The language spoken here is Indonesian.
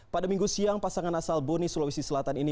pada minggu siang pasangan asal boni sulawesi selatan ini